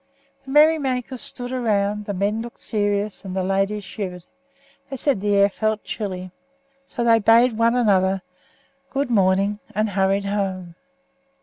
The merry makers stood around; the men looked serious and the ladies shivered. They said the air felt chilly, so they bade one another good morning and hurried home.